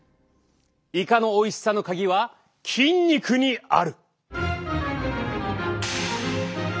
イカのおいしさの鍵は筋肉にある。